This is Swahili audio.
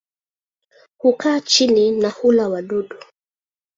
Hukaa chini na hula wadudu.